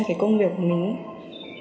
cái công việc của mình ấy